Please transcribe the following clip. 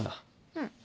うん。